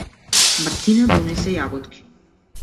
Мартина донесе јаготки.